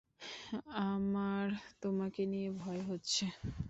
আমার তোমাকে নিয়ে ভয় হচ্ছে।